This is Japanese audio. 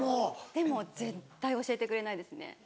でも絶対教えてくれないですね。